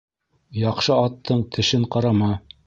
Яҡшы аттың тешен ҡарама.